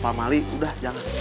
pak mali udah jangan